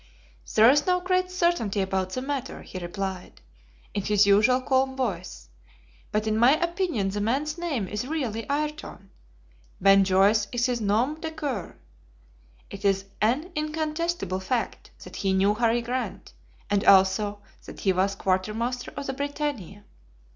"There is no great certainty about the matter," he replied, in his usual calm voice; "but in my opinion the man's name is really Ayrton. Ben Joyce is his nom de guerre. It is an incontestible fact that he knew Harry Grant, and also that he was quartermaster on the BRITANNIA.